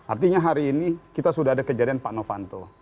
artinya hari ini kita sudah ada kejadian pak novanto